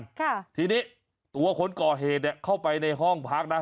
ค่ะทีนี้ตัวคนก่อเหตุเนี้ยเข้าไปในห้องพักนะ